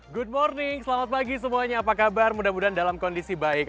good morning selamat pagi semuanya apa kabar mudah mudahan dalam kondisi baik